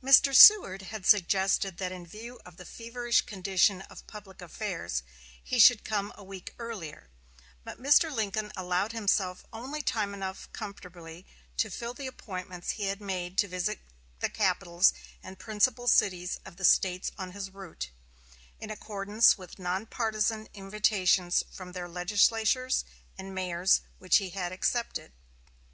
Mr. Seward had suggested that in view of the feverish condition of public affairs, he should come a week earlier; but Mr. Lincoln allowed himself only time enough comfortably to fill the appointments he had made to visit the capitals and principal cities of the States on his route, in accordance with non partizan invitations from their legislatures and mayors, which he had accepted.